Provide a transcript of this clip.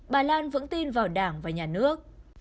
bà lan vẫn tin vào đảng và nhà nước